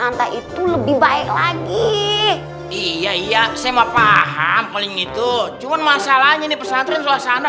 lantai itu lebih baik lagi iya iya saya paham paling itu cuma masalahnya di pesantren suasana